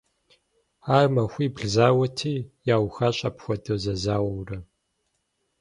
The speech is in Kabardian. Ар махуибл зауэти, яухащ апхуэдэу зэзауэурэ.